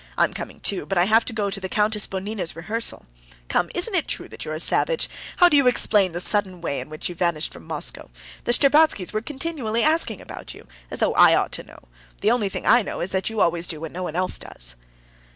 "I'm coming, too, but I have to go to the Countess Bonina's rehearsal. Come, isn't it true that you're a savage? How do you explain the sudden way in which you vanished from Moscow? The Shtcherbatskys were continually asking me about you, as though I ought to know. The only thing I know is that you always do what no one else does."